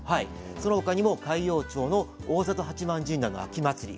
その他にも海陽町の大里八幡神社の秋祭り。